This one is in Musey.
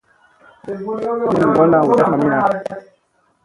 Bunni mi ŋgolla hu jaf mamina.